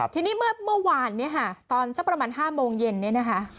ทีนี้เมื่อวานตอนสักประมาณ๕โมงเย็นนี้นะคะ